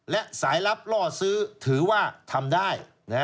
และสายลับล่อซื้อถือว่าทำได้